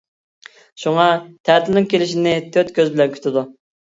شۇڭا تەتىلنىڭ كېلىشىنى تۆت كۆز بىلەن كۈتىدۇ.